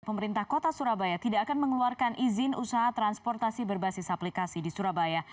pemerintah kota surabaya tidak akan mengeluarkan izin usaha transportasi berbasis aplikasi di surabaya